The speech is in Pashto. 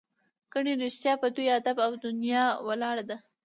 ګنې رښتیا په دوی ادب او دنیا ولاړه ده.